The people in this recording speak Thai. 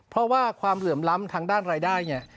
เพราะว่าความเหลื่อมล้ำทางด้านรายได้เนี่ย